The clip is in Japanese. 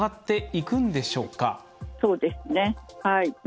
そうですねはい。